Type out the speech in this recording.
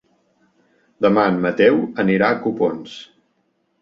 Demà en Mateu anirà a Copons.